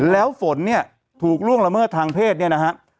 แล้วฝนเนี่ยถูกล่วงละเมิดทางเพศเนี่ยนะฮะ